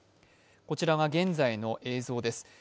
こちらは現在の映像です。